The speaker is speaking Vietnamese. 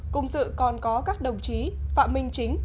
cùng dự còn có các đồng chí phạm minh chính